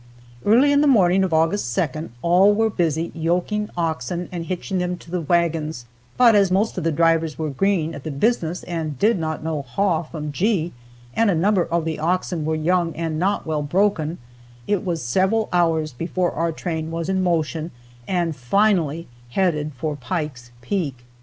Early in the morning of August 2d all were busy yoking oxen and hitching them to the wagons, but as most of the drivers were green at the business and did not know "haw" from "gee," and a number of the oxen were young and not well broken, it was several hours before our train was in motion and finally headed for "Pike's Peak."